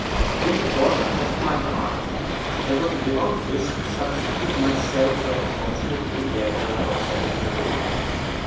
In the bottom of my heart there was a devout wish to substitute myself for that fortunate wood gatherer of seven years old.